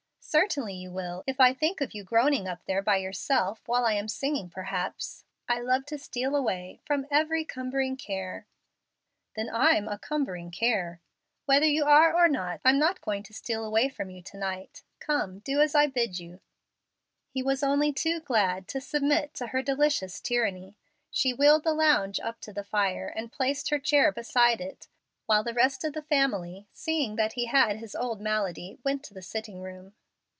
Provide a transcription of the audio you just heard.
"Certainly you will, if I think of you groaning up there by yourself, while I am singing, perhaps: "'I love to steal awhile away From every cumbering care!'" "Then I'm a cumbering care!" "Whether you are or not, I'm not going to steal away from you to night. Come, do as I bid you." He was only too glad to submit to her delicious tyranny. She wheeled the lounge up to the fire, and placed her chair beside it, while the rest of the family, seeing that he had his old malady, went to the sitting room.